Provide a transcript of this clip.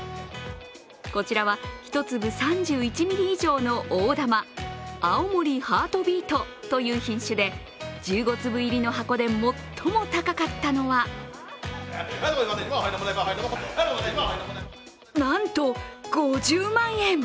こちらは１粒３１ｍｍ以上の大玉、青森ハートビートという品種で１５粒入りの箱で最も高かったのはなんと、５０万円！